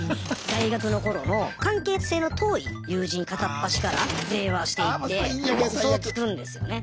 大学の頃の関係性の遠い友人片っ端から電話していってウソをつくんですよね。